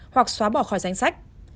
hoặc xóa bỏ khỏi danh sách